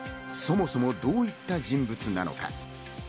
そもそもどういった人物なのか。